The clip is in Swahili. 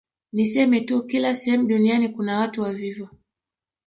Niseme tu kila sehemu duniani kuna watu wavivu